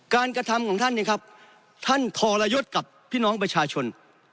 กระทำของท่านเนี่ยครับท่านทรยศกับพี่น้องประชาชน